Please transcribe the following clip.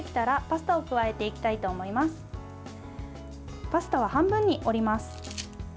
パスタは半分に折ります。